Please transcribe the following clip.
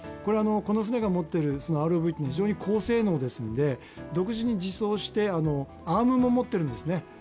この船が持っているＲＯＶというのは非常に高性能ですので、独自に実装してアームも持ってるんですね。